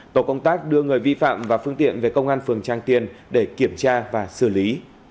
tổ công tác đưa người vi phạm và phương tiện về công an phường trang tiền để kiểm tra và xử lý